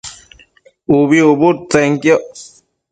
ubi ucbudtsenquioc